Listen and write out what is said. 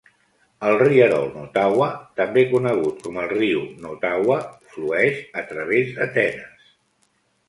El rierol Nottawa, també conegut com el riu Nottawa, flueix a través d'Atenes.